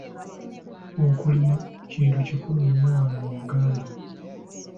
Okulima kintu kikulu nnyo wano mu Buganda.